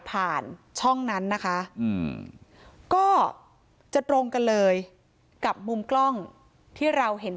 ผ่านช่องนั้นนะคะก็จะตรงกันเลยกับมุมกล้องที่เราเห็น